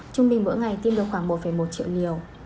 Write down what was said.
trung bình mỗi ngày tiêm được khoảng một một triệu liều